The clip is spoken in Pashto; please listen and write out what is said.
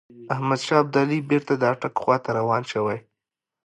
احمدشاه ابدالي بیرته د اټک خواته روان شوی.